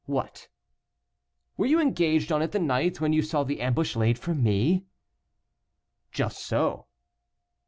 "What?" "Were you engaged on it the night when you saw the ambush laid for me?" "Just so."